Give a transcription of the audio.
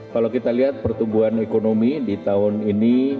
kalau kita lihat pertumbuhan ekonomi di tahun ini